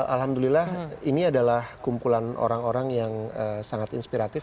alhamdulillah ini adalah kumpulan orang orang yang sangat inspiratif